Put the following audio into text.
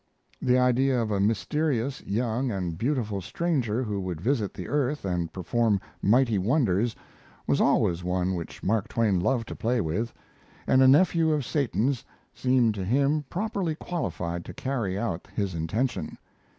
The idea of a mysterious, young, and beautiful stranger who would visit the earth and perform mighty wonders, was always one which Mark Twain loved to play with, and a nephew of Satan's seemed to him properly qualified to carry out his intention.